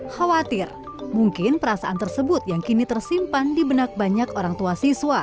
khawatir mungkin perasaan tersebut yang kini tersimpan di benak banyak orang tua siswa